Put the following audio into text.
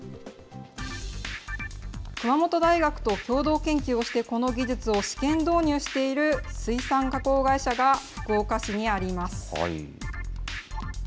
熊本大学と共同研究をして、この技術を試験導入している水産加工会社が福岡市にあります。